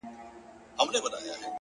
له نن څخه ښه وخت نشته